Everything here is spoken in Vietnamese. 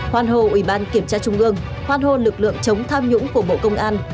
hoan hồ ủy ban kiểm tra trung ương hoan hô lực lượng chống tham nhũng của bộ công an